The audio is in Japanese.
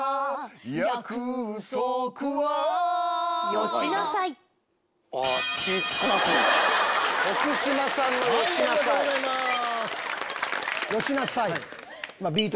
約束はありがとうございます。